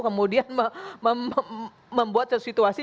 kemudian membuat situasi